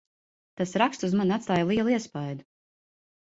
Tas raksts uz mani atstāja lielu iespaidu.